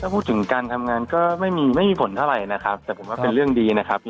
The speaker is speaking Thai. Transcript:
พูดถึงการทำงานก็ไม่มีผลเท่าไหร่นะครับแต่ผมว่าเป็นเรื่องดีนะครับ